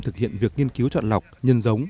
thực hiện việc nghiên cứu chọn lọc nhân giống